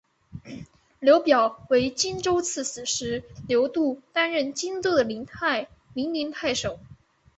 刘表为荆州刺史时刘度担任荆州的零陵太守。